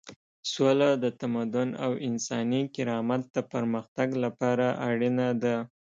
سوله د تمدن او انساني کرامت د پرمختګ لپاره اړینه ده.